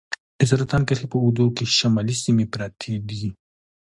د سرطان کرښې په اوږدو کې شمالي سیمې پرتې دي.